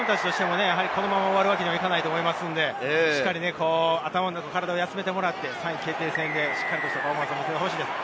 このまま終わるわけにはいかないと思いますので、しっかり頭と体を休めてもらって３位決定戦でパフォーマンスを見せてほしいです。